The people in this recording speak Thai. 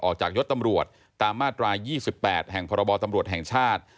ออกจากยดตำรวจตามมาตราย๒๘แห่งพตแห่งชาติ